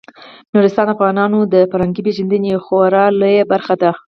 نورستان د افغانانو د فرهنګي پیژندنې یوه خورا لویه برخه ده.